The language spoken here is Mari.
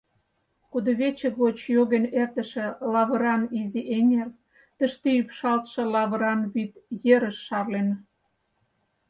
Кудывече гоч йоген эртыше лавыран изи эҥер тыште ӱпшалтше лавыран вӱд ерыш шарлен.